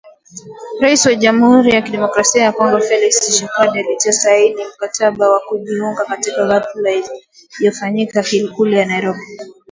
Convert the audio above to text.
Rais wa Jamhuri ya Kidemokrasi ya Kongo Felix Tshisekedi, alitia saini mkataba wa kujiunga katika hafla iliyofanyika Ikulu ya Nairobi.